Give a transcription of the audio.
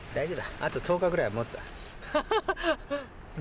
あと１０日くらいもつわ。